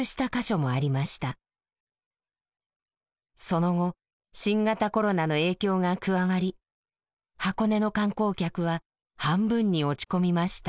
その後新型コロナの影響が加わり箱根の観光客は半分に落ち込みました。